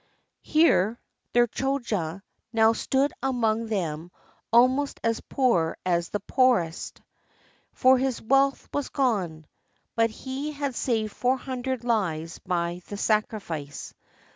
He, their Choja, now stood among them almost as poor as the poorest; for his wealth was gone — but he had saved four hundred lives by the sacrifice.